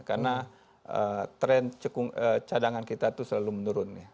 karena tren cadangan kita itu selalu menurun